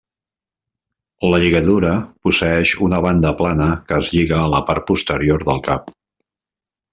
La lligadura posseeix una banda plana que es lliga a la part posterior del cap.